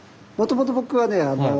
もともと僕はね